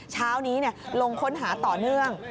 เช้านี้ลงค้นหาต่อเนื่อง